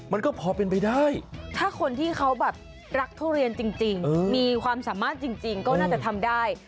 มันก็พอเป็นไปได้ถ้าคนที่เขาแบบรักทุเรียนจริงมีความสามารถจริงก็น่าจะทำได้